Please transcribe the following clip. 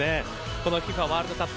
このＦＩＦＡワールドカップ